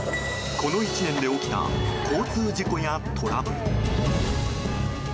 この１年で起きた交通事故やトラブル。